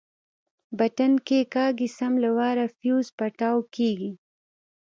بټن کښېکاږي سم له وارې فيوز پټاو کېږي.